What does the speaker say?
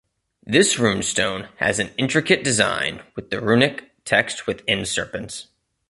This runestone has an intricate design with the runic text within serpents.